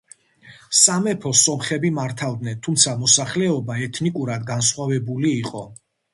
სამეფოს სომხები მართავდნენ, თუმცა მოსახლეობა ეთნიკურად განსხვავებული იყო.